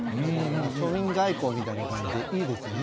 庶民外交みたいな感じでいいですよね。